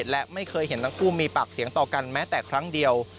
และไม่เคยเห็นทั้งคู่มีปากเสียงต่อกันแม้แต่ครั้งเดียว